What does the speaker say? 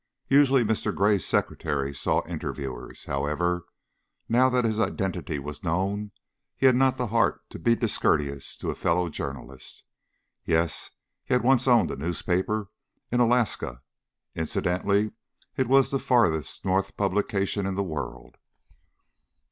Usually Mr. Gray's secretary saw interviewers. However, now that his identity was known, he had not the heart to be discourteous to a fellow journalist. Yes! He had once owned a newspaper in Alaska. Incidentally, it was the farthest north publication in the world.